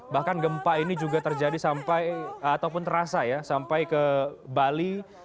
bahkan gempa ini juga terjadi sampai ataupun terasa ya sampai ke bali